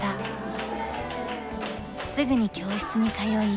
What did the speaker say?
すぐに教室に通い